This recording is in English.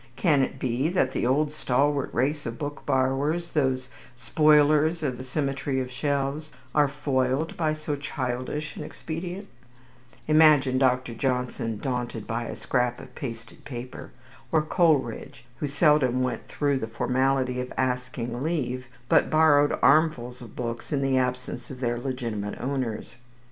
Can it be that the old stalwart race of book borrowers, those "spoilers of the symmetry of shelves," are foiled by so childish an expedient? Imagine Dr. Johnson daunted by a scrap of pasted paper! Or Coleridge, who seldom went through the formality of asking leave, but borrowed armfuls of books in the absence of their legitimate owners!